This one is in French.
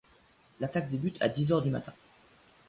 L'attaque débute à dix heures du matin.